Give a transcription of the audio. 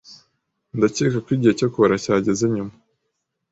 Ndakeka ko igihe cyo kubara cyageze nyuma.